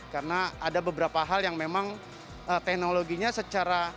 karena ada beberapa hal yang memang teknologinya secara